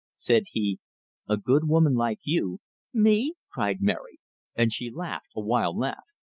Said he: "A good woman like you " "Me?" cried Mary. And she laughed, a wild laugh.